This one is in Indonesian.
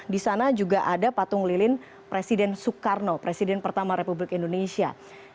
di sana juga ada patung lilin presiden soekarno presiden pertama republik indonesia